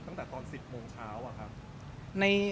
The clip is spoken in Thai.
ตั้งแต่ตอน๑๐โมงเช้า